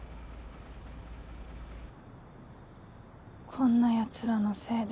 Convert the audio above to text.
こんなヤツらのせいで。